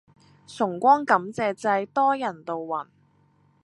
崇光感謝祭多人到暈